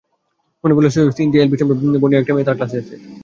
মনে পড়ল Cynthia Elvis নামে বন্ডি একটা মেয়ে তার ক্লাসে আছে।